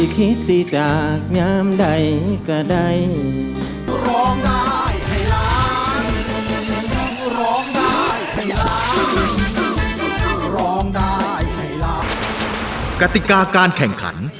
กติกาการแข่งขัน